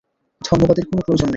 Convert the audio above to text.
ধন্যবাদের কোন প্রয়োজন নেই।